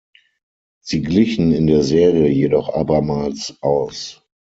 Sie glichen in der Serie jedoch abermals aus.